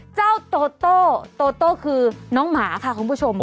เจ้าโตโตโตโตคือน้องหมาค่ะของผู้ชม